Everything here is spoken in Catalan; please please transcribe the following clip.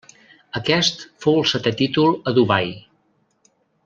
Aquest fou el setè títol a Dubai.